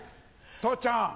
父ちゃん